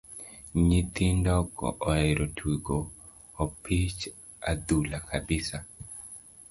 Nyithindo go oero tugo opich adhula kabisa.